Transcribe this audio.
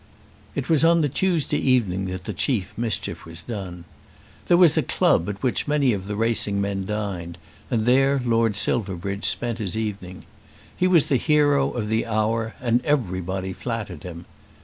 It was on the Tuesday evening that the chief mischief was done. There was a club at which many of the racing men dined, and there Lord Silverbridge spent his evening. He was the hero of the hour, and everybody flattered him.